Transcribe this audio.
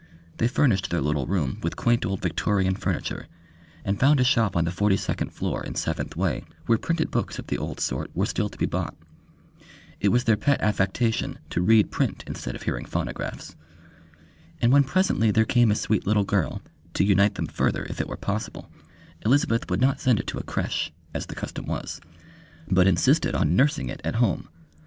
They furnished their little room with quaint old Victorian furniture, and found a shop on the forty second floor in Seventh Way where printed books of the old sort were still to be bought. It was their pet affectation to read print instead of hearing phonographs. And when presently there came a sweet little girl, to unite them further if it were possible, Elizabeth would not send it to a creche, as the custom was, but insisted on nursing it at home.